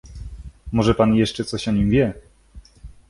"Może pan jeszcze coś o nim wie?"